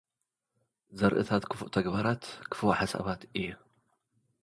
ዘርእታት ክፉእ ተግባራት፡ ክፉእ ሓሳባት እዩ።